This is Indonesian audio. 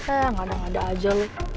eh ngada ngada aja lah